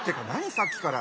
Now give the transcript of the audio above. さっきから。